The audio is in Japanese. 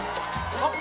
あっ！